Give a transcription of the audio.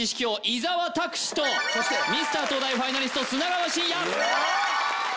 王伊沢拓司とそしてミスター東大ファイナリスト砂川信哉